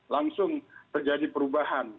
langsung terjadi perubahan